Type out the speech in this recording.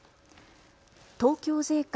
東京税関